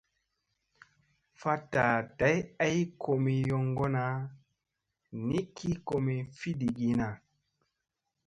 Faɗta day ay komi yoŋgona nikki komi fiɗigina.